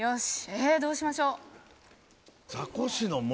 ええどうしましょう。